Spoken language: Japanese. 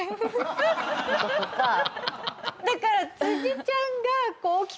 だから。